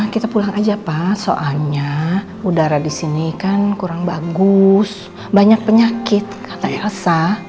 kita pulang aja pak soalnya udara di sini kan kurang bagus banyak penyakit katanya asa